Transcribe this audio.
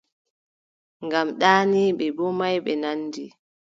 Ngam ɗaaniiɓe boo maayɓe nandi.